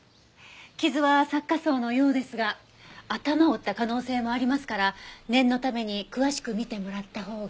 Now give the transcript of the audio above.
傷は擦過創のようですが頭を打った可能性もありますから念のために詳しく診てもらったほうが。